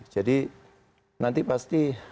jadi nanti pasti